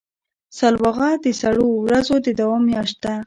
سلواغه د سړو ورځو د دوام میاشت ده.